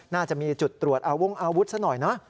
น่าจะมีจุดตรวจอาวงอาวุธซะหน่อยเนอะ